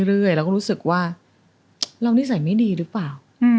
เรื่อยเราก็รู้สึกว่าเรานิสัยไม่ดีหรือเปล่า